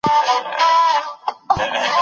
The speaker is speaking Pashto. ته باید د علمي صفتونو د ترلاسه کولو هڅه وکړې.